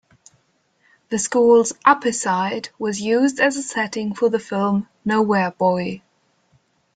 The school's Upper Site was used as a setting for the film "Nowhere Boy".